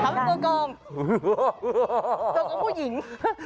ตัวกรงผู้หญิง